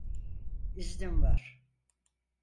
İznim var.